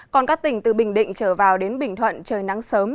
còn các tỉnh từ bình định trở vào đến bình thuận trời nắng sớm